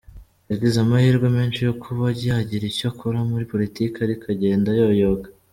Yagize amahirwe menshi yo kuba yagira icyo akora muri politiki ariko agenda ayoyoka.